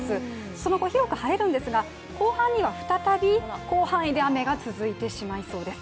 その後、広く晴れるんですが後半には再び広範囲で雨が続いてしまいそうです。